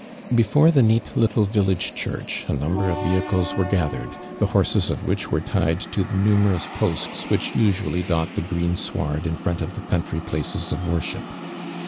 Before tlie neat little village church a number of vehicles were gathered, the horses of which were lied to the numerous B 18 AHMANI) DURANI). posts which usually «lot tho green hwih iI in front of the country pliices of wornhip.